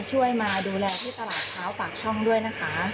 ช่วยมาดูแลที่ตลาดเช้าปากช่องด้วยนะคะ